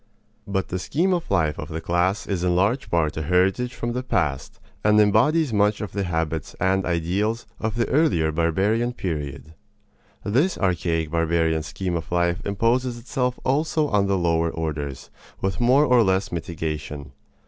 But the scheme of life of the class is in large part a heritage from the past, and embodies much of the habits and ideals of the earlier barbarian period. This archaic, barbarian scheme of life imposes itself also on the lower orders, with more or less mitigation.